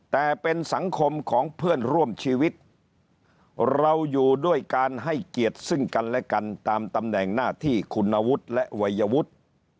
แต่เป็นสังคมของเพื่อนร่วมชีวิตเราอยู่ด้วยการให้เกียรติซึ่งกันและกันตามตำแหน่งหน้าที่คุณวุฒิและวัยวุฒิ